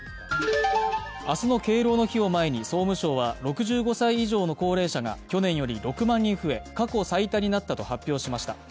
明日の敬老の日を前に総務省は６５歳以上の高齢者が去年より６万人増え、過去最多になったと発表しました。